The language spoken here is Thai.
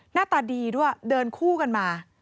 หน้าตาดีด้วยเดินคู่กันมา